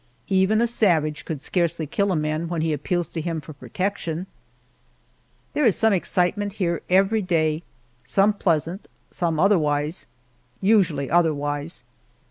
Even a savage could scarcely kill a man when he appeals to him for protection! There is some kind of excitement here every day some pleasant, some otherwise usually otherwise.